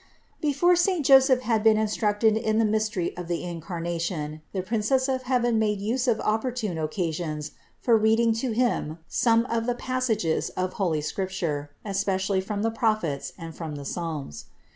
428. Before saint Joseph had been instructed in the mystery of the Incarnation, the Princess of heaven made use of opportune occasions for reading to him some of the passages of holy Scriptures, especially from the Prophets and from the Psalms.